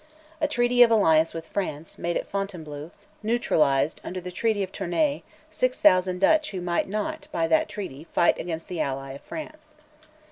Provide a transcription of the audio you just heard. A treaty of alliance with France, made at Fontainebleau, neutralised, under the Treaty of Tournay, 6000 Dutch who might not, by that treaty, fight against the ally of France.